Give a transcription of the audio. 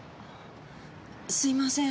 すいません。